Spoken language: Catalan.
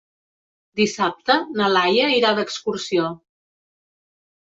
Dissabte na Laia irà d'excursió.